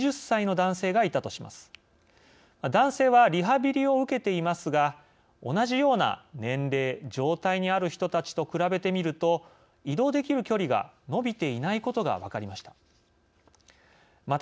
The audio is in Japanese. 男性はリハビリを受けていますが同じような年齢・状態にある人たちと比べてみると移動できる距離が伸びていないことが分かりました。